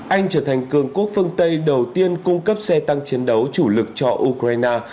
anh trở thành cường quốc phương tây đầu tiên cung cấp xe tăng chiến đấu chủ lực cho ukraine